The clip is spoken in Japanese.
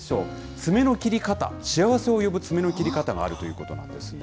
爪の切り方、幸せを呼ぶ爪の切り方があるということなんですね。